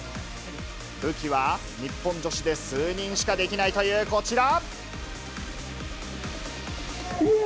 武器は日本女子で数人しかできないというこちら。